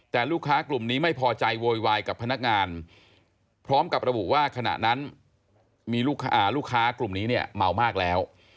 แต่ลูกค้ากลุ่มนี้ไม่พอใจโวยวายกับพนักงานพร้อมกับระบุว่าขณะนั้นมีลูกค้ากลุ่มนี้เนี่ยเมามากแล้ว